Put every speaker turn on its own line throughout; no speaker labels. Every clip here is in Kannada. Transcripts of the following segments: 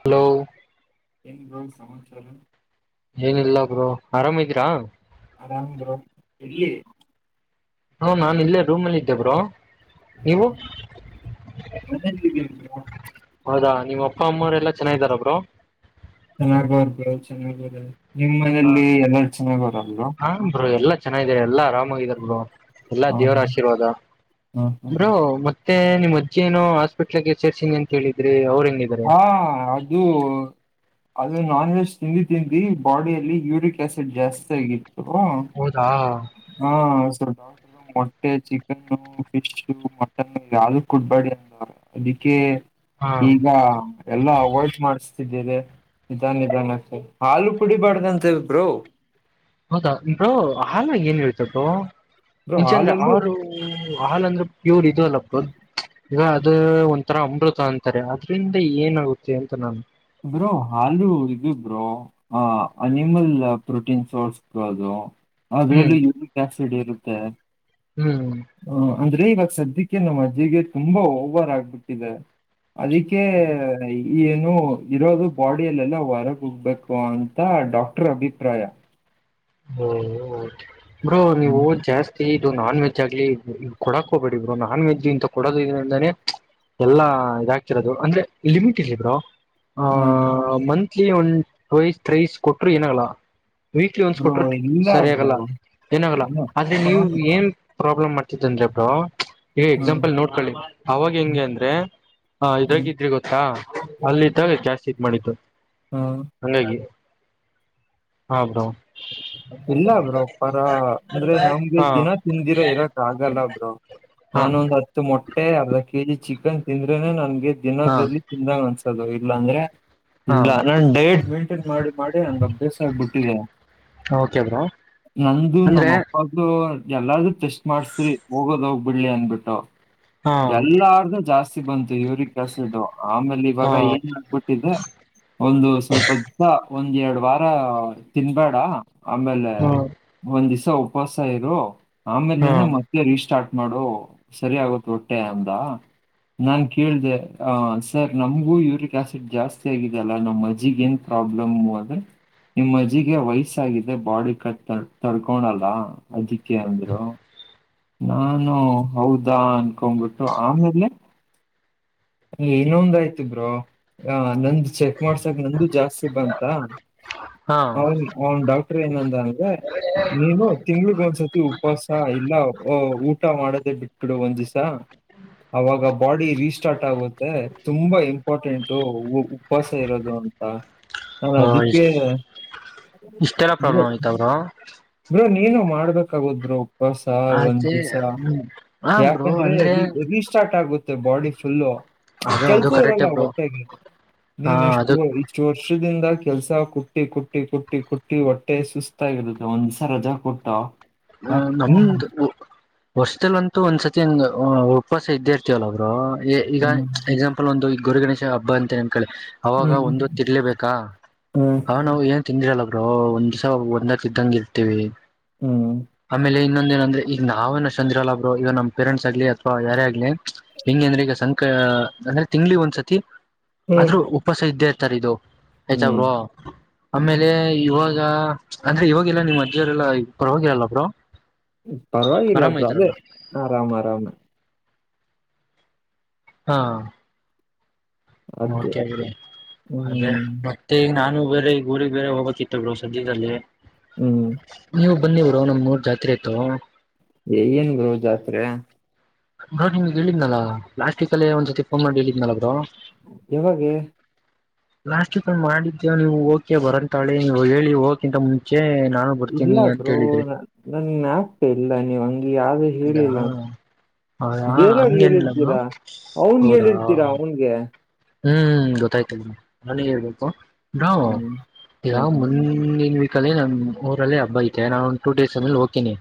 ಹಲೋ
ಇದೊಂದ್ ಸಮಾಚಾರ.
ಏನಿಲ್ಲ ಬ್ರೊ ಆರಾಮಿದೀರಾ?
ಆರಾಮ್ ಬ್ರೊ ಎಲ್ಲಿ?
ಬ್ರೊ ನಾನ್ ಇಲ್ಲೇ ರೂಮಲ್ಲಿ ಇದ್ದೆ ಬ್ರೊ.
ಮನೇಲಿದ್ದೀನಿ ಬ್ರೊ.
ನಿಪ್ಪಮ್ಮಾರೆಲ್ಲಾ ಚೆನ್ನಾಗಿದಾರ ಬ್ರೊ.
[unintelligible] ಚೆನ್ನಾಗಿದಾರೆ. ನಿಮ್ಮನೇಲ್ಲಿ ಎಲ್ಲಾರ್ ಚೆನ್ನಾಗವ್ರಲ್ವ.
ಚೆನ್ನಾಗಿದರೆ ಎಲ್ಲಾ ಆರಾಮ್. ಗಿದಾರ್ ಬ್ರೊ ಎಲ್ಲಾ ದೇವರ
ಹೌದಾ
ಆಶೀರ್ವಾದ
ಹಾ ಹಾ
ಬ್ರೋ ತ್ತೆ ನಿಮ್ಮಜ್ಜಿಯೇನೊ ಆಸ್ಪಿಟ್ ಕೆಗೆ ಸೇರ್ಸಿನಿ ಅಂತೇಳಿದ್ರಿ ಅವ್ರೆಂಗ್
ಹಾ ಅದು ಅದು ನಾನ್ ವೆಜ್ ತಿಂದಿ ತಿಂದಿ ಬಾಡಿಯಲ್ಲಿ ಯೂರಿಕ್ ಆಸಿಡ್ ಜಾಸ್ತಿ ಆಗಿದ್
ಹೌದಾ?
ಹ್ಮ ಹೌಸರ್. ಡಾಕ್ಟ್ರು ಮೊಟ್ಟೆ ಚಿಕನ್ನು ಫಿಶ್ ಮಟನ್ನು ಯಾವ್ದು ಕೊಡ್ಬೇಡಿ ಅಂದಾ ಅದಿಕ್ಕೆ
ಹಾ
ಈಗ ಎಲ್ಲಾ ಅವಾಯ್ಡ್ ಮಾಡ್ಸ್ ತಿದಿರೆ ನಿಧಾನ್ ನಿಧಾನ ಹಾಲು ಕುಡಿಬಾಡ್ದಂತೆ ಬ್ರೊ.
ಹೌದಾ ಬ್ರೋ ಹಾಲ್ನಾಗ್ ಏನಿರುತ್ತೆ ಬ್ರೊ.
ಬ್ರೋ
ನಿಜ ಅಂದ್ರೆ
ಹಾಲಲ್ಲೂ
ಹಾಲು ಹಾಲ್ ಅಂದ್ರೆ ಪ್ಯೂರ್ ಇದು ಅಲ್ಲ ಬ್ರೊ ಈಗ ಅದು ಒಂಥರ ಅಮೃತ ಅಂತಾರೆ ಅದ್ರಿಂದ ಏನಾಗುತ್ತೆ ಅಂತ ನಾನು
ಬ್ರೋ ಹಾಲು ಇದು ಬ್ರೋ ಆ ಅನಿಮಲ್ ಪ್ರೋಟೀನ್ ಸೋರ್ಸ್ದು ಅದು.
ಹ್ಮ್
ಅದ್ರಲ್ಲೂ ಯೂರೀಕ್ ಆಸ್ ಸಿಡ್ ಇರುತ್ತೆ.
ಹ್ಮ್
ಆ, ಅಂದ್ರೆ ಇವಾಗ್ ಸದ್ಯಕ್ಕೆ ನಮ್ ಅಜ್ಜಿಗೆ ತುಂಬಾ ಓವರ್ ಆಗ್ಬಿಟ್ಟಿದೆ ಅದಿಕ್ಕೆ ಈ ಏನು ಇರೋದು ಬಾಡಿಯಲ್ಲೆಲ್ಲಾ ಹೊರಗೋಗ್ಬೇಕು ಅಂತ ಡಾಕ್ಟರ್ ಅಭಿಪ್ರಾಯ.
ಹ್ಮ್ ಬ್ರೋ ನೀವು ಜಾಸ್ ತೀಟು ನಾನ್ ವೆಜ್ ಆಗ್ಲಿ ಕೊಡಕ್ಕೋಬೇಡಿ ಬ್ರೊ ನಾನ್ ವೆಜ್ ಇಂತ ಕೊಡೋದ್ ಇದ್ರಿಂದಾನೇ ಎಲ್ಲಾ ಇದಾಗ್ತಿರೋದು ಅಂದ್ರೆ ಲಿಮಿಟ್ ಇರ್ಲಿ ಬ್ರೋ. ಹ ಮನ್ ತ್ಲಿ ಒನ್ ಟ್ವೖಸ್ ತ್ರೈಸ್ ಕೊಟ್ಟ್ರೂ ಏನಾಗಲ್ಲ ವೀಕ್ಲಿ
ಬ್ರೋ
ಕೊಟ್ರು
ಇಲ್ಲ
ಸರಿ
ಬ್ರೋ
ಆಗಲ್ಲ ಏನಾಗಲ್ಲ ಆದ್ರೆ ನೀವು ಏನ್ ಪ್ರಾಬ್ಲಮ್ ಮಾಡ್ತಿದ್ಯಂದ್ರೆ ಬ್ರೊ ಏ ಎಕ್ಸಾಂಪಲ್ ನೋಡ್ಕೊಳ್ಳಿ ಅವಾಗ ಹೆಂಗೆ ಅಂದ್ರೆ ಅ ಇದಾಗ ಇದ್ರಿ ಗೊತ್ತಾ ಅಲ್ಲಿದ್ದಾಗ ಜಾಸ್ತಿ ಇದ್ ಮಾಡಿದ್ದು. ಹಂಗಾಗಿ ಹ ಬ್ರೊ
ಇಲ್ಲ ಬ್ರೋ ಪರ ಅಂದ್ರೆ ನಮ್ಗೆ
ಹಾ
ದಿನ ತಿಂದಿರೋ ಇರಕ್ ಆಗಲ್ಲ ಬ್ರೋ
ಹಾ
ನಾನೊಂದ್ ಹತ್ತು ಮೊಟ್ಟೆ ಅರ್ಧ ಕೆಜಿ ಚಿಕ್ ನ್ ತಿಂದ್ರೇನೆ ನನ್ಗೆ
ಹಾ
ದಿನದಲ್ಲಿ ತಿಂದಂಗ ಅನ್ಸ್ ಚಲೊ ಇಲ್ಲಾಂದ್ರೆ
ಹಾ
ಇಲ್ಲ ನಾನ್ ಡಯಟ್ ಮೇಂಟೇನ್ ಮಾಡಿ ಮಾಡಿ ಹಂಗ್ ಅಭ್ಯಾಸ ಆಗ್ಬಿಟ್ಟಿದೇ.
ಓಕೆ ಬ್ರೋ
ನಂದು ನಮ್ಮ
ಅಂದ್ರೆ
ಅಪ್ಪಾಗು ಎಲ್ಲಾರ್ದೂ ಟೆಸ್ಟ್ ಮಾಡಸ್ರಿ ಹೋಗೋದ್ ಹೋಗ್ಬಿಡ್ಲಿ ಅಂದ್ಬಿಟ್ಟು.
ಹಾ
ಎಲ್ಲಾರ್ದು ಜಾಸ್ ಬಂತು ಯೂರಿಕ್ ಆಸಿಡ್ಡು ಆಮೇಲೆ
ಹಾ
ಇವಾಗ ಏನ್ ಆಗ್ಬಿಟ್ಟಿದೆ ಒಂದು ಸ್ವಲ್ಪ ದಿವ್ಸ ಒಂದೆರಡು ವಾರ ತಿನ್ಬೇಡ ಆಮೇಲೆ
ಹ್ಮ
ಒಂದಿಸ್ ತ್ತು ಉಪಾಸಯಿರು.
ಹಾ
ಆಮೇಲಿಂದ ಮತ್ತೆ ರೀಸ್ಟಾರ್ಟ್ ಮಾಡೋ ಸರಿ ಆಗುತ್ತ್ ಹೊಟ್ಟೆ ಅಂದ ನಾನ್ ಕೇಳ್ದೆ ಆ ಸರ್ ನಮಗೂ ಯೂರಿಕ್ ಆಸಿಡ್ ಜಾಸ್ತಿ ಆಗಿದ್ಯಲ್ಲಾ ನಮ್ಮ್ ಅಜ್ಜಿಗೆ ಏನ್ ಪ್ರಾಬ್ಲಮ್ ಅಂದ್ರೆ ನಿಮ್ಮ್ ಅಜ್ಜಿಗೆ ವೖಸ್ ತಾಗಿದೆ ಬಾಡಿ ಕಟ್ ತಡ್ಕೊಣಲ್ಲ ಅದಕ್ಕೆ ಅಂದ್ರು ನಾನು ಹೌದಾ ಅನ್ಕೊಂಡ್ಬಿಟ್ಟು ಆಮೇಲೆ ಇನ್ನೊಂದಯ್ತು ಬ್ರೊ ಆ ನಂದ್ ಚೆಕ್ ಮಾಡ್ಸಕ್ ನಂದು ಜಾಸ್ತಿ ಬಂತ
ಹಾ
ಅವ್ನ್
ಹ
ಅವನ್ ಡಾಕ್ಟರ್ ಏನಂದ ಅಂದ್ರೆ ನೀನು ತಿಂಗಳಗೊಂದ್ಸತಿ ಉಪವಾಸ ಇಲ್ಲ ಊಟ ಮಾಡದೇ ಬಿಟ್ಬಿಡು ಒಂದ್ ದಿಸ ಅವಾಗ ಬಾಡಿ ರೀಸ್ಟಾರ್ಟ್ ಆಗುತ್ತೆ ತುಂಬಾ ಇಂಪಾರ್ಟೆಂಟು ಉಪವಾಸ ಇರೋದು ಅಂತ ನಾನು
ಹ
ಅದಕ್ಕೆ
ಇಷ್ಟ್ ಇಷ್ಟೆಲ್ಲ
ಬ್ರೋ
ಪ್ರಾಬ್ಲಮ್ ಆಯ್ತ ಬ್ರೊ.
ಬ್ರೋ ನೀನು ಮಾಡ್ಬೇಕಾಗುತ್ ಬ್ರೊ. ಹೊಸ
ಅದೇ
[unintelligible] ಸರ
ಹ್ಮ್ ಹ ಬ್ರೋ
ಯಾಕಂದ್ರೆ
ಅಂದ್ರೆ
ಅಲ್ಲಿ ಹೆವಿ ಸ್ಟಾರ್ಟ್ ಆಗ್. ಗೋತ್ತಿಲ್ಲ ಬಾಡಿ ಫುಲ್ಲು.
ಅದು ಅದು
ಕೆಲ್ಸ
ಕರೆಕ್ಟ್
ಇರಲ್ಲ
ಬ್ರೋ
ಒಟ್ಟಾಗಿ
ಹ
ನೀನ್
ಅದು
ಇಷ್ಟು ಇಷ್ಟು ವರ್ಷದ್. ದಿಂದ ಕೆಲ್ಸ ಕುಟ್ಟಿ ಕುಟ್ಟಿ ಕುಟ್ಟಿ ಕುಟ್ಟಿ ಹೊಟ್ಟೆ ಸುಸ್ತ್ ಆಗಿರುತೆ ಒಂದಿಸಾ ರಜಾ ಕೊಟ್ಟ.
ಹ ನಮ್ದ. ವರ್ಷದಲ್ಲಂತೂ ಒಂದ್ಸತಿ ಅಂಗ್ ಉ ಉಪವಾಸ ಇದ್ದೇ ಇರ್ತಿವಲ್ಲ ಬ್ರೊ. ಏ ಈಗ
ಹ್ಮ್
ಎಕ್ಸಾಂಪಲ್ ಒಂದು ಈ ಗೌರಿ ಗಣೇಶ್. ಆ ಹಬ್ಬ ಅಂತೇನ. ಕಳೆ ಅವಾಗ
ಹ್ಮ್
ಒಂದು ಹೊತ್ತಿರ್ಲೇಬೇಕಾ ಅವ ನಾವು ಏನ್. ತಿಂದಿರಲ್ಲ ಬ್ರೊ ಒಂದಿಸಾ ಒಂದಕ್ ಇದ್ದಂಗ ಇರ್ತಿವಿ.
ಹ್ಮ್
ಆಮೇಲೆ ಇನ್ನ. ದಿನೊಂದ್ರೆ ಈಗ ನಾವೇನ ಅಷ್ಟೊಂದ್ ಇರಲ್ಲ ಬ್ರೊ ಈಗ ನಮ್ ಪೇರೆಂಟ್ಸ್ ಆಗ್ಲಿ ಅಥ್ವಾ ಯಾರೇ ಆಗ್ಲಿ ಹೆಂಗೆ ಅಂದ್ರೆ ಈಗ ಸಂಕ ಅಂದ್ರೆ ತಿಂಗ್ಳಿಗೆ ಒಂದ್ಸತಿ. ಆದ್ರೂ
ಹ್ಮ್
ಉಪವಾಸ ಇದ್ದೇರ್. ತರಿದು. [unintelligible]
ಹ್ಮ್
ಬ್ರೊ ಆಮೇಲೆ ಇವಾಗ ಚ ಅಂದ್ರೆ ಇವಾಗಿಲ್ಲ ನಿಮ್ಮ್ ಅಜ್ಜಿಯವರೆಲ್ಲ ಪರವಾಗಿರಲ್ಲ. ಬ್ರೊ
ಪರವಾಗಿಲ್ಲ ಬ್ರೊ ಅದೆ ಆರಾಮ ಆರಾಮ.
ಹಾ
ಅದೇ
ಓಕೆ ಅದೇ
ಹ್ಮ್
ಮತ್ತೆ ಈಗ ನಾನು. ಬೇರೆ ಈಗ್ ಊರಿಗ್ ಬೇರೆ ಹೋಬೇಕ್ಕಿತ್ತು ಬ್ರೊ ಸದ್ಯದಲ್ಲಿ.
ಹ್ಮ್
ನೀವು ಬನ್ನಿ ಬ್ರೊ ನಮ್ಮೂರ್ ಜಾತ್ರೆ ಇತ್ತು.
ಏನ್ ಬ್ರೊ ಜಾತ್ರೆ.
ಬ್ರೋ ನಿಮಗ್ ಹೇಳಿದ್ನಲ್ಲಾ ಲಾಸ್ಟ್ ವೀಕಲ್ಲೆ ಒಂದ್ ಸತಿ ಫೋನ್ ಮಾಡಿ ಹೇಳಿದ್ನಲ್ಲ ಬ್ರೋ.
ಯವಾಗೆ.
ಲಾಸ್ಟ ವೀಕಂಗ್ ಮಾಡಿದ್ದೆವು ನೀವು ಓಕೆ ಬರಂತಾಳೆ ನೀವು ಹೇಳಿ ಹೋಗಕಿಂತ ಮುಂಚೆ. ನಾನು ಬರ್ತೀನಿ
ಇಲ್ಲಾ
ಅಂತ
ಬ್ರೊ
ಹೇಳಿದ್ರಿ
ನ ನನ್ ನ್ಯಾಪ್ ಇಲ್ಲ ನೀವ್ ಅಂಗಿ ಯಾವ್ದು
ಹೌದಾ
ಹೇಳಿಲ್ಲ.
ಹೌದಾ
ಬೇರೆಯವ್ರಿಗೆ
ಹಂಗೇನಿಲ್ಲಮ್ಮ
ಹೇಳಿರ್ತೀರಾ ಅವ್ನ್ಗ್
ಹೌದಾ
ಹೇಳಿರ್ತೀರಾ ಅವನ್ಗೆ.
ಹ್ಮ್ ಗೊತ್ತಾಯ್ತ ಬ್ರೋ ನನಗೇಳ್ಬೇಕು. ನಾವ್
ಹ್ಮ್
ಯಾವ
ಹ್ಮ್
ಮುಂದಿನ್. ಸರಿ ನಮ್ಮೂರಲ್ಲಿ ಹಬ್ಬ ಐತೆ ನಾನು ಒಂದು ಟೂ ಡೇಸ್ ಅದ್ಮೇಲೆ ಹೋಗ್ತೀನಿ.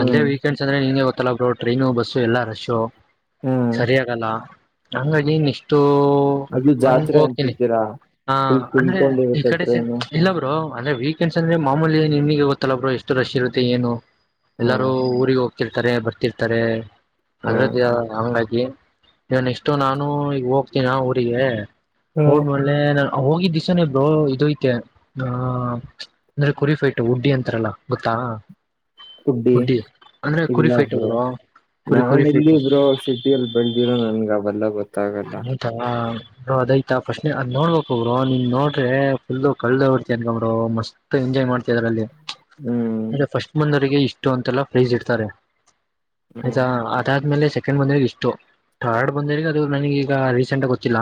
ಮೊದಲೇ ವೀಕೆಂಡ್ಸ್ಂದ್ರೆ ನೀನೆ ತ್ತಲ ಬ್ರೊ ಟ್ರೈನು ಬಸ್ಸು ಎಲ್ಲ ರಶ್ಶು.
ಹ್ಮ್
ಸರಿಯಾಗಲ್ಲ. ಹಂಗ ನೀನಿಷ್ಟು ಒ
ಅದು
ನಂಗ್
ಜಾತ್ರೆ
ಓಕೆನೆ
ಅಂತಿದ್ದೀರಾ
ಹ
ಫುಲ್
ಅಂದ್ರೆ ಈ
ತುಂಬಿಕೊಂಡಿರುತ್ತೆ
ಕಡೆ ಸೖ
ಟ್ರೈನು
ಇಲ್ಲಾ ಬ್ರೊ. ಅಂದ್ರೆ ವೀಕೆಂಡ್ಸ್ ಅಂದ್ರೆ ಮಾಮೂಲಿ ನಿಮಿಗೆ ಗೊತ್ತಲ್ಲ ಬ್ರೊ ಎಷ್ಟು ರಶ್ ಇರುತ್ತೆ ಏನು. ಎಲ್ಲಾರೂ
ಹ್ಮ್
ಊರಿಗೆ ಹೋಗ್ ತಿರ್ತಾರೆ ಬರ್ತಿರ್ತಾರೆ.
ಹ್ಮ್
ಅದರದ್ಯ ಹಂಗಾಯ್ತ್. ಗೆ ನಾನ್ ನೆಕ್ಸ್ಟು ನಾನು ಈಗ ಹೋಗ್ತೀನಾ ಟ್ಟಿಗೆ
ಹ್ಮ್
ಹೋದ್ಮೇಲೆ ನಾನ್ ಹೋಗಿದ್ದ ದಿಸನೇ ಬ್ರೊ ಇದು ಐತೆ ಆ ಅಂದ್ರೆ ಕುರಿಫೈಟ್ ಉಡ್ಡಿ ಅಂತಾರಲ್ಲ ಗೊತ್ತಾ
ಹುಡ್ಡಿ
ಉಡ್ಡಿ ಅಂದ್ರೆ ಕುರಿ
ಇಲ್ಲ
ಫೈಟ್
ಬ್ರೊ
ಬ್ರೋ ಕುರಿ
ನಾನ್
ಕುರಿ ಫೈಟ್
ಎಲ್ಲಿಬ್ರೊ ಸಿಟಿಯಲ್ಲಿ ಬೆಳ್ದಿರೋ ನನ್ಗ್ ಅವೆಲ್ಲ ಗೊತ್ತ್
[unintelligible] ಅದೈತಾ ಫಸ್ಟು ಅದ್ ನೋಡ್ಬೇಕು ಬ್ರೊ ನಿನ್ ನೋಡ್ರೆ ಫುಲ್ ಕಳ್ದೆ ಹೋಗ್ಬಿಡ್ತಿಯ ಗುರು ಮಸ್ತ್ ಎಂಜಾಯ್ ಮಾಡ್ತಿದಾರ್ ಅದ್ರಲ್ಲಿ.
ಹ್ಮ್
ಅದೆ ಫಸ್ಟ್ ಬಂದೋರಿಗೆ ಇಷ್ಟ್ ಷ್ಟು ಅಂತೆಲ್ಲ ಫ್ರೈಜ್ ಇಡ್ತಾರೆ.
ಹ್ಮ್
ಆಯ್ತಾ ಅದಾದ್ಮೇಲೆ ಸೆಕೆಂಡ್ ಬಂದ್ರೆ ಇಷ್ಟು ಥರ್ಡ್ ಬಂದೋರಿಗೆ ದು ನನಗೀಗ ರೀಸೆಂಟಾಗ್ ಗೊತ್ತಿಲ್ಲ.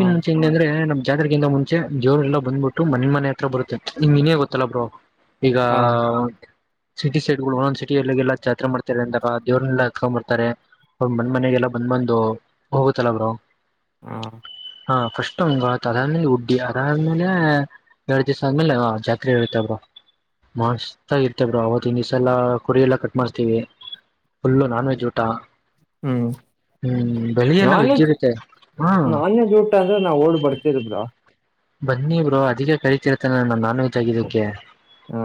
ಹಾ
ಮುಂಚೆಂಗ್ ಅಂದ್ರೆ ನಮ್ ಜಾತ್ರಿಗೆ ಇಂದ ಮುಂಚೆ ಜೋರೆಲ್ಲ ಬಂದ್ಬಿಟ್ಟು ಮನೆ ಮನೆ ಹತ್ರ ಬರುತ್ತೆ ನಿಮ್ಗೆನೇ ಗೊತ್ತಲ್ಲ ಬ್ರೋ. ಈಗ
ಹಾ
ಸಿಟಿ ಸೈಡ್ಗಳು ಒನೊನ್ ಸಿಟಿಯಲ್ಲಗೆಲ್ಲಾ ಜಾತ್ರೆ ಮಾಡ್ತಾರೆ ಅಂತಾರ ಆ ದೇವ್ರನ್ನೆಲ್ಲ ಹತ್ಕೊಂಬರ್ತಾರೆ ಅ ಬಂದ್ ಮನ್ಮನೆಗೆಲ್ಲ ಬಂದ್ ಬಂದು ಹೋಗುತ್ತಲ್ಲ ಬ್ರೋ.
ಹಾ
ಹಾ ಫಸ್ಟ್ ಹಂಗ ತಲಾದ್ಮೇಲೆ ಹುಡ್ಡಿ ಅದಾದ್ಮೇಲೆ ಎರಡ್ ದಿಸ ಆದ್ಮೇಲೆ ಆ ಜಾತ್ರೆ ಇರುತೇ ಬ್ರೊ ಮಸ್ತಾಗಿ ಇರ್ತೇಬ್ರೊ ಅವತ್ತಿನ ದಿವಸ ಎಲ್ಲಾ ಕುರಿ ಎಲ್ಲಾ ಕಟ್ ಮಾಡಸ್ತೀವಿ ಫುಲ್ಲು ನಾನ್ ವೆಜ್ ಊಟ. ಹ್ಮ್ ಬೆಳಿಯೆಲ್ಲ
ನಾನ್ ವೆಜ್
ಇರುತ್ತೆ ಹಾ
ನಾನ್ ವೆಜ್ ಊಟ ಅಂದ್ರೆ ನಾವು ಓಡ್ ಬರ್ತಿದ್ದೆ ಬ್ರೊ. ಹಾ
ಬನ್ನಿ ಬ್ರೊ ಅದಕ್ಕೆ ಕರಿತ ಇರೋದು ತಾನೆ ನಾನು ದಗಿದುಕ್ಕೆ
ಹಾ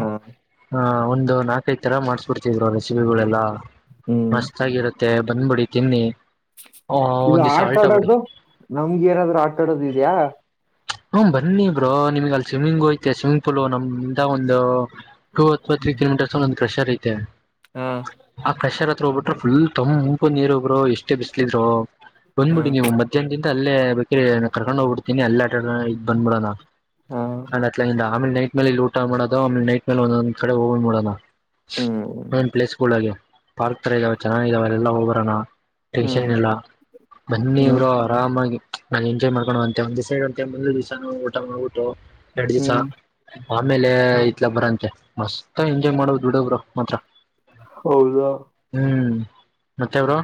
ಹಾ ಒಂದು ನಾಕೈದು ತರ ಮಾಡಿಸ್ಬಿಡ್ತ್ವಿ ಬ್ರೊ ರೆಸಿಪಿಗಳೆಲ್ಲ
ಹ್ಮ್
ಮಸ್ತ್ ಆಗಿರುತ್ತೆ ಮತ್ತೆ ಬಂದ್ಬಿಡಿ ತಿನ್ನಿ ಆ
ಇದು
ಒಂದ್ ದಿವ್ಸ ಆಲ್ಟ ಬಿಡಿ
ಆಟಾಡೋದು ನಮ್ಗೆ ಏನಾದ್ರು ಆಟಾಡೋದು ಇದ್ಯಾ
ಹ್ಮ ಬನ್ನಿ ಬ್ರೋ ನಿಮಗ ಅಲ್ಲಿ ಸ್ವಿಮ್ಮಿಂಗು ಐತೆ ಸ್ವಿಮ್ಮಿಂಗ್ ಪೂಲ್ ನಮ್ ಇಂತ ಒಂದು ಟು ಅಥವಾ ತ್ರೀ ಕಿಲೋಮೀಟರ್ಸ್ ಪ್ರೆಷರ್ ಐತೆ
ಹಾ
ಆ ಕಷರ್ ತೃಬಿಟ್ರ್ ಫುಲ್ ತಂಪು ನೀರು ಬ್ರೋ ಎಷ್ಟೇ ಬಿಸ್ಲ ಇದ್ರೂ
ಹಾ
ಬಂದ್ಬಿಡಿ ನೀವು ಮದ್ಯಂದಿ ಅಲ್ಲೇ ಏ ನಾ ಕರ್ಕೊಂಡ ಹೋಗಬಿಡ್ತಿನಿ ಎಲ್ಲಾ ಬಂದ್ಬಡೋಣ
ಹಾ
ಹತ್ಲಿಂದ ಆಮೇಲೆ ನೈ ಮೇಲೆ ಇಲ್ ಊಟ ಮಾಡೋದು ಆಮೇಲೆ ನೈಟ್ ಮೇಲೆ ಒಂದೊಂದ್ ಕಡೆ ಹೋಗ್ ಬಂದ್ಬಿಡಣ
ಹ್ಮ್
ಮೇನ್ ಪ್ಲೇಸ್ ಗಳಿಗೆ ಪಾರ್ಕ್ ತರ ಇದಾವ ಚೆನ್ನಾಗಿದಾವ ಎಲ್ಲಾ ಹೋಗಬರಣ ಟೆಂಕ್ಷನ್
ಹ್ಮ್
ಇರಲ್ಲ ಬನ್ನಿ
ಹ್ಮ್
ಬ್ರೋ ಆರಾಮಾಗಿ ನ ಎಂಜಾಯ್ ಮಾಡಕೊನುವಂತೆ ಬಂದ ದಿವಿಸ ನ ಊಟಾ ಮಾಡಊಟ್ಟ ಎರಡು ದಿವಸ
ಹ್ಮ್
ಆಮೇಲೆ ಇತ್ಲ ಬರಂತೆ ಮಸ್ತ್ ಎಂಜಾಯ್ ಮಾಡೋ ದುಡ್ಡೊಬ್ರು ಮಾತ್ರ
ಹೌದಾ
ಹ್ಮ್ ಮತ್ತೆ ಬ್ರೋ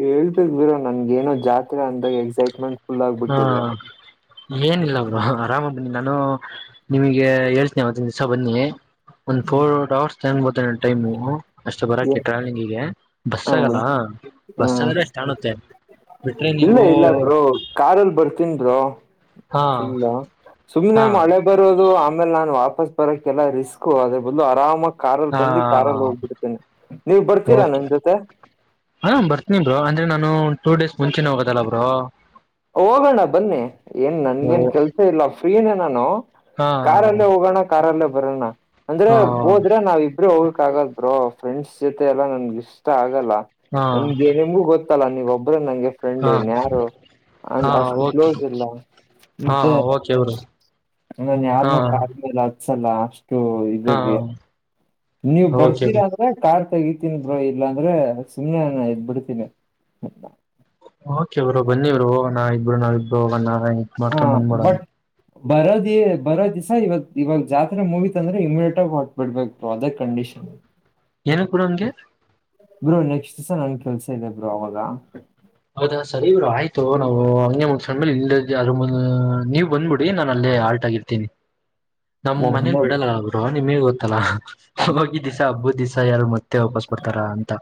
ಹೇಳ್ಬೇಕೇಕ್ ಬ್ರೋ ನನ್ ಏನೋ ಜಾತ್ರೆ ಅಂದಾಗ ಎಕ್ಸೈಟ್ಮೆಂಟ್ ಫುಲ್
ಹಾ
ಆಗ್ಬಿಟ್ಟಿದೆ
ಏನಿಲ್ಲ ಅವರು ಆರಾಮದ ನಾನು ನಿಮಗೆ ಹೇಳ್ತೇನೆ ಒತ್ತಿನ ದಿವ್ಸ ಬನ್ನಿ ಒಂದು ಫೋರ್ ಅವರ್ಸ್ ತಂಗಂಬತ ಟೈಮು ಅಷ್ಟು ಬರೋಕೆ
ಹ
ಟ್ರಾವೆಲಿಂಗಿಗೆ ಬಸ್ ಆಗಲ್ಲ
ಹ
ಬಸ್ಗ್ರೆಷ್ಟ ಕಾಣುತ್ತೆ ಬಿಟ್ರೆ
ಇಲ್ಲ
ನೀವು
ಇಲ್ಲ ಬ್ರೋ ಕಾರಲ್ಲಿ ಬರ್ತೀನ್ ಬ್ರೋ
ಹಾ
ಫುಲ್ಲಾ ಸುಮ್ಮ್ನೆ
ಹಾ
ಮಳೆ ಬರೋದು ಆಮೇಲೆ ನಾನ್ ಬಸ್ ಬರಕ್ಕೆೆಲ್ಲ ರಿಸ್ಕ್ು ಅದ್ರ ಬದಲು ಆರಾಮ ಕಾರಲ್ಲಿ
ಹಾ
ಬಂದು ಕಾರಾಲ್ಲಿ ಹೋಗ್ಬಿಡ್ತೇನೆ ನೀವ್ ಬರ್ತೀರಾ
ಓಕೆ
ನನ್ ಜೊತೆ
ಹ ಬರ್ತಿನೀ ಬ್ರೋ ಅಂದ್ರೆ ನಾ ನೂ ಟೂ ಡೇಸ್ ಮುಂಚೆನೆ ಹೋಗೋದಲ್ಲ ಬ್ರೋ
ಹೋಗೋಣ ಬನ್ನಿ ಏನ್ ನನ್ಗೇನ್ ಕೆಲ್ಸ ಇಲ್ಲ ಫ್ರೀನೇ ನಾನು
ಹಾ
ಕಾರಲ್ಲೇ ಹೋಗೋಣ ಕಾರಲ್ಲೇ ಬರಣ ಅಂದ್ರೆ
ಹಾ
ಹೋದ್ರೆ ನಾವ ಇಬ್ರು ಹೋಗಕ್ ಆಗೋದು ಬ್ರೋ ಫ್ರೆಂಡ್ಸ್ ಜೊತೆ ಎಲ್ಲಾ ನನ್ಗ ಇಷ್ಟ ಆಗಲ್ಲ.
ಹಾ
ನನ್ಗೆ ನಮಗೂ ಗೊತ್. ತ್ತಲ್ಲ ನೀವೋಬ್ರೆ ನಂಗೆ. ಫ್ರೆಂಡ್
ಹಾ
ಇನ್ ಯಾರು.
ಹಾ
ಅಂಗ್ ಅಷ್ಟು
ಓಕೆ
ಕ್ಲೋಸ್ ಇಲ್ಲ
ಹಾ
ಮತ್ತೆ
ಓಕೆ ಬ್ರೋ
ನಾನ್
ಹಾ
ಯಾರನು ಕರ್ದಿಲ್ಲ. ತ್ಸಲ್ಲ. ಕ್ಯೂ
ಹಾ
ಇದಕ್ಕೆ ನೀವ್
ಓಕೆ
ಬರ್ತೀರ ಅಂದ್ರೆ ಕಾರ್. ಕರಿತೀನ್ ಬ್ರೋ ಇಲ್ಲಾಂದ್ರೆ ಸುಮ್ನೆ ನಾ ಇದ್ ಬಿಡ್ತೀನಿ.
ಓಕೆ ಬ್ರೊ ಬನ್ನಿ ಬ್ರೊ ಹೋಗೋಣ ಇಬ್ರು ನಾವ್ ಇಬ್ಬರು ಹೋಗಣ. [unintelligible] ಮಾರ್ಕ
ಹ
ಬಂದ
ಬಟ್
ಬಂದ್ಬಿಡನ.
ಬರೋದಿ ಬರೋದಿಸ ಇವಾಗ್ ಇವಾಗ್ ಜಾತ್ರೆ ಮುಗೀತಂಧ್ರೆ ಇಮಿಡಿಯಟ್ ಆಗ ಹೊಟ್ ಬಿಡ್ಬೇಕು ಅದೇ ಕಂಡೀಷನ್.
ಎನಿಕ್ ಬ್ರೋ ಅಂಗೆ
ಬ್ರೋ ನೆಕ್ಸ್ಟ್ ನನ್ ಕೆಲ್ಸ ಇದೆ ಬ್ರೊ ಅವಾಗ.
ಹೌದಾ ಸರಿ ಬ್ರೊ ಆಯ್ತು ನಾವು ಹಂಗೇ ಮುಂದ್ಸಣ ಮೇಲೆ ಇಲ್ಲ ಅದ ನೀವ್ ಬಂದ್ಬಿಡಿ ನಾನ ಅಲ್ಲೇ ಆಲ್ಟ್ ಆಗಿರ್ತೀನಿ. ನಮ್ ಮನೇಲಿ
ಒಬ್ನೇ
ಬಿಡಲ್ಲ ಬ್ರೊ. ನಿಮ್ಮೆ ಗೊತ್ತಲ್ಲಾ. ಹೋಗೋಗಿ ದಿಸ ಹಬ್ಬೂ ದಿಸ. ತಯಾರ್ ಮತ್. ತ್ತೆ ವಾಪಸ್ ಬಡ್ತಾರ ಅಂತ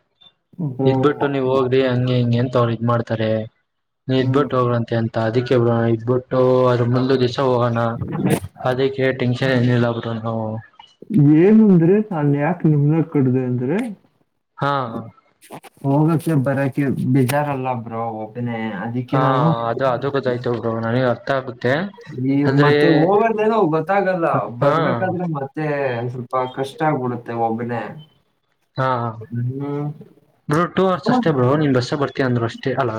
ಬ್ರೋ
ಇದ್ ಬಿಿಟ್ಟು ನೀವ್ ಹೋಗ್ರಿ ಹಂಗೆ ಹಿಂಗೆ ಅಂತ್. ತೊಳಿ. ಮಾಡ್ತಾರೆ. ನೀ ಇದ್
ಹ್ಮ್
ಬಿಟ್ ಹೋಗ್ರಂತೆ ಅಂತ ಅದಿಕ್ಕೆ. [unintelligible] ಇದ್ಬಿಟ್ಟು ಅದ್ರ ಮುಂದೆ ಡಿಶ್. ತೊಗೋಣ ಕದಕ್ಕೆ ಟೆನ್ಷನ್ ಏನಿಲ್ಲ. ಆದ್ರೂನು.
ಏನು ಅಂದ್ರೆ ಅಲ್ಲಿ ಯಾಕ ನಿಮನ ಕಡ್ದೆ ಅಂದ್ರೆ.
ಹಾ
[inaudible] [unintelligible] [unintelligible] ಬರಕೆ ಬೇಜಾರಲ್ಲ ಬ್ರೋ ಒಬ್ಬನೇ. ಅದಕ್ಕೆ
ಹಾ
ನಾನು
ಅದು ಅದು ಗೊತ್ತಾಯ್ತು ಬ್ರೊ ನನಿಗ ಕಬ್.
ಈ ಮತ್ತೆ ಹೋಗೋದೇನು ಗೊತ್ತಾಗಲ್ಲ
ಹಾ
ಬರ್ಬೇಕಾದ್ರೆ ಮತ್ತೆ. ಸ್ವಲ್ಪ ಕಷ್ಟ ಆಗ್ಬಿಡುತ್ತೆ ಒಬ್ಬನೇ.
ಹಾ ಹಾ
ಹ್ಮ್
ಬ್ರೊ ಟೂ ಅವರ್ಸ್ ಅಷ್ಟೇ ಬ್ರೊ ನಿಮ್ ಬಸ್ ಬರ್ತೀ ಅಂದ್ರು ಅಷ್ಟೇ ಅಲ್ಲ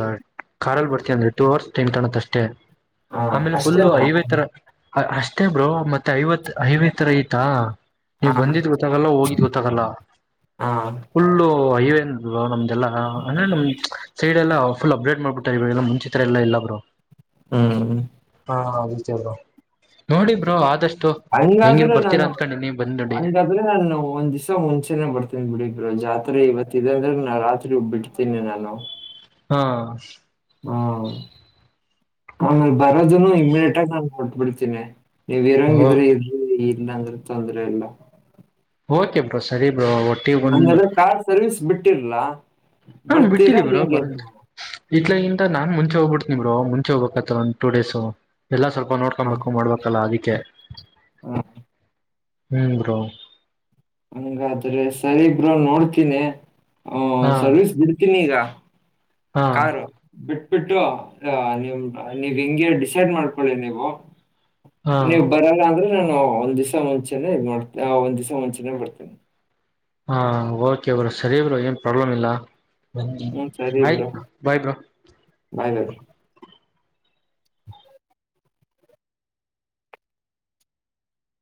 ಕಾರಲ್ಲಿ ಬರ್ತೀಯ ಅಂದ್ರೆ ಟೂ ಅವರ್ಸ್. ತಿನ್ಕಾಣತ್ತಷ್ಟೇ
ಹ,
ಆಮೇಲೆ
ಅಷ್ಟೇ
ಫುಲ್ಲು
ಬ್ರೋ.
ಐವೇ ತರ. ಅಷ್ಟೇ ಬ್ರೋ ಮತ್ತೆ ಐವತ್ ಐವೇ ತರ ಐತಾ.
ಹ,
ನೀವ್ ಬಂದಿದ್ ಗೊತ್ತಾಗಲ್ಲ ಹೋಗಿದ್ ಗೊತ್ತಾಗಲ್ಲ.
ಹಾ
ಓ ಐವೇನ್ ಬ್ರೋ ನಮ್ದ. ಎಲ್ಲಾ ಅಂದ್ರೆ ನಮ್ ಸೈಡ್ ಎಲ್ಲಾ ಫುಲ್ ಅಪ್ಡೇಟ್ ಮಾಡ್ಬಿಟ್ಟ. ಇವಗಲ್ಲ ಮುಂಚಿತರ ಎಲ್ಲ ಇಲ್ಲ ಬ್ರೋ. ಹಾ ಹೌದು. ಚಲೋ. ಹೆಂಗಿರ್
ಹಂಗಾದ್ರೂ
ಬರ್ತೀರಾ
ನಾನು
ಅನ್ಕೊಂಡಿನಿ ಬಂದ್ ನೋಡಿ
ಹಂಗಾದ್ರೆ ನಾನು ಒಂದ್ ದಿವ್ಸ ಮುಂಚೆನೆ ಬರ್ತ. [unintelligible] ಜಾತ್ರೆ ಇವತ್ತಿದೆ ಅಂದ್ರೆ ನಾ ರಾತ್ರಿ ಬಿಡ್ತೀನಿ ನಾನು.
ಹಾ
ಆಮೇಲೆ ಬರೋದನ್ನು ಇಮಿಡಿಯಟ್ಟಾಗಿ ನಾನ್ ಕೊಟ್ ಬಿಡ್ತಿನಿ. ನೀವ್
ಓ
ಇರಂಗ ಇದ್ರೆ ಇ [unintelligible] ಇಲ್ಲಂದ್ರೆ ತೊಂದ್ರೆ ಇಲ್ಲ.
ಓಕೆ ಬ್ರೋ ಸರಿ ಬ್ರೋ. ಒಟ್ಟಿಗೆ ಒಂದು
ಹಂಗದ್ರೆ ಕಾರ್ ಸರ್ವಿಸ್ ಬಿಟ್ಟಿರ್ಲಾ
ಹಾ
ಬರ್ತೀರಾ
ಬಿಟ್ಟಿದೀವಿ ಬ್ರೋ
ಹೆಂಗೆ ನೀವು?
ಬರಂತೆ ನಾನ್ ಮುಂಚೆ ಹೋಗ್ಬಿಡ್ತನಿ ಬ್ರೋ ಮುಂಚೆ ಹೋಗ್ಬೇಕಕ್ತ್ತ ಒಂದು ಟೂ ಡೇಸ್ ಎಲ್ಲ ಸ್ವಲ್ಪ ನೋಡ್ಕೋಬೇಕು ಮಾಡ್ಬೇಕಲ್ಲ ಅದಕ್ಕೆ ಕೇ
ಹಾ
ಹ್ಮ್ ಬ್ರೋ
ಹಂಗಾದ್ರೆ ಸರಿ ಬ್ರೋ ನೋಡ್ತೀನೀ ಹ
ಹಾ
ಸರ್ವಿಸ್ ಬಿಡ್ತೀನಿ ಈಗ ಹ
ಹಾ
ಕಾರ ಬಿ ಬಿಟ್ಟು ನಿಮ್ ನೀವ್ ಹಿಂಗೆ ಡಿಸೈಡ್ ಮಾಡ್ಕೊಳ್ಳಿ ನೀವು
ಹಾ
ನೀವು ಬರಲ್ಲ ಅಂದ್ರೆ ಒಂದ್ ದಿವ್ಸ ಮುಂಚೆನೆೇ ಮಾಡ್ತೇ ಆ ಒಂದ್ ದಿದ್ಸ ಮುಂಚೆನೇ ಬಡ್ತೇನೆ
ಹಾ ಓಕೆ ಬ್ರೋ ಸರಿ ಬ್ರೋ ಏನ್ ಪ್ರಾಬ್ಲಮ್ ಇಲ್ಲ ಹ
ಹ್ಮ್ ಸರಿ ಬ್ರೋ.
ಆಯ್ತ ಬಾಯ್ ಬ್ರೋ
ಬಾಯ್ ಬಾಯ್.